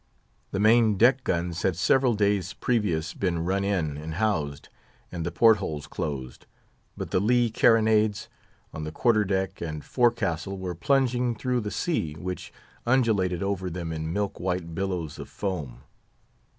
The main deck guns had several days previous been run in and housed, and the port holes closed, but the lee carronades on the quarter deck and forecastle were plunging through the sea, which undulated over them in milk white billows of foam.